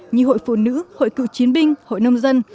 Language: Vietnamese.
như hội phụ nữ hội cựu chiến binh hội nông dân